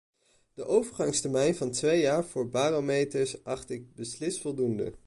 De overgangstermijn van twee jaar voor barometers acht ik beslist voldoende.